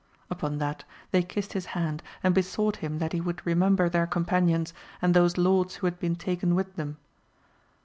Upon that they kissed his hand and besought him that he would remember their companions and those lords who had been taken with them.